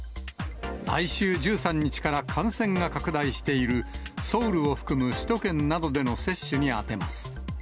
来週１３日から感染が拡大しているソウルを含む首都圏などでの接種に当てます。